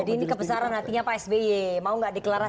jadi ini kebesaran hatinya pak sby mau nggak deklarasi dulu